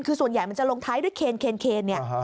คือส่วนใหญ่มันจะลงท้ายด้วยเคนเนี่ย